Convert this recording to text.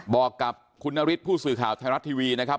บอกกับคุณนฤทธิผู้สื่อข่าวไทยรัฐทีวีนะครับ